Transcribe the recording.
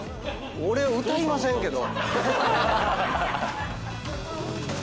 俺歌いませんけど。